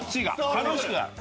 楽しくなる。